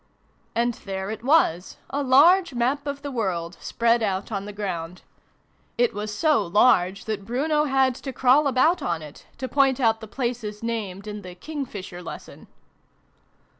And there it was, a large Map of the World, spread out on the ground. It was so large that Bruno had to crawl about on it, to point out the places named in the 'King fisher Lesson.'